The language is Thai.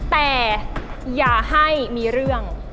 แต่อย่าให้มีเรื่อง